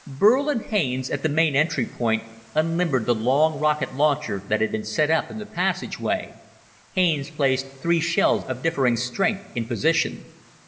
Burl and Haines, at the main entry port, unlimbered the long rocket launcher that had been set up in the passageway. Haines placed three shells of differing strength in position.